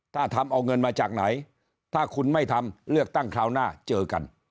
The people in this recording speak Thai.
ถ้าทำเอาเงินมาจากไหนถ้าคุณไม่ทำเลือกตั้งคราวหน้าเจอกัน